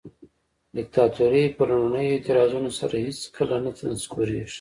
دیکتاتوري په لومړنیو اعتراضونو سره هیڅکله نه نسکوریږي.